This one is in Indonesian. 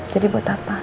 jadi buat apa